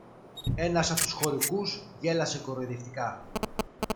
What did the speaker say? Ένας από τους χωρικούς γέλασε κοροϊδευτικά.